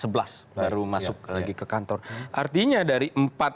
baru masuk lagi ke kantor artinya dari empat